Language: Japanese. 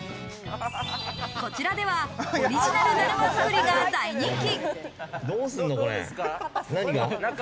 こちらではオリジナルだるま作りが大人気。